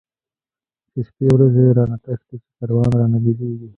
چی شپی ورځی را نه تښتی، چی کاروان را نه بیلیږی